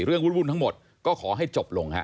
เรื่องวุ่นทั้งหมดก็ขอให้จบลงครับ